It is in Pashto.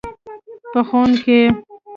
پخوونکی